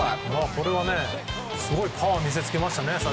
これはすごいパワーを見せつけましたね。